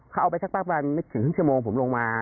เขาเอาไปสักประมาณไม่ถึงครึ่งชั่วโมงผมลงมา